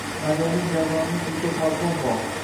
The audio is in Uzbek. Madamin Davronning uyida pal`tom bor.